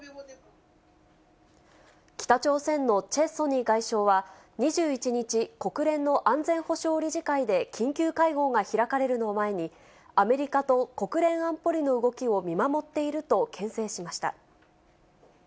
北朝鮮のチェ・ソニ外相は２１日、国連の安全保障理事会で緊急会合が開かれるのを前に、アメリカと国連安保理の動きを見守っているとけん制しました。